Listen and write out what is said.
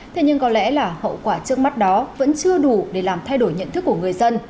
thế nhưng có lẽ là hậu quả trước mắt đó vẫn chưa đủ để làm thay đổi nhận thức của người dân